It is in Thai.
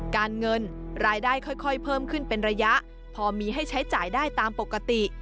การเงินรายได้ค่อยเพิ่มขึ้นเป็นระยะพอมีให้ใช้จ่ายได้ตามปกติ